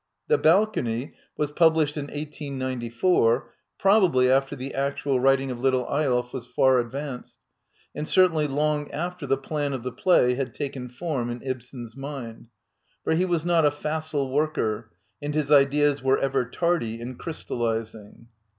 " The Balcony " was published in 1894, probably after the actual writing of " Little Eyolf " was far advanced, and certainly long after the plan of the play had taken form in Ibsen's mind, for he was not a facile worker and his ideas were ever tardy in crystal lizing.